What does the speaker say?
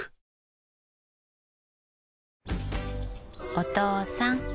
お父さん。